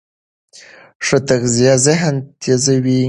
ښه تغذیه ذهن تېزوي.